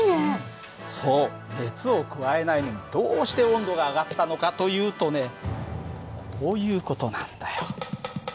そう熱を加えないのにどうして温度が上がったのかというとねこういう事なんだよ。